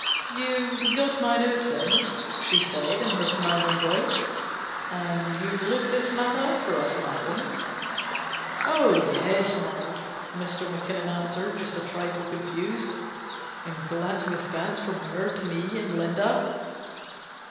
" You got my note, then?" she said, in her com 21 346 GENERAL PASSAVANT'S WILL. manding voice. " And you've looked this matter up for us, Malcolm ?"" Yes, Maud," Mr. Mackinnon answered, just a trifle confused, and glancing askance from her to me and Linda.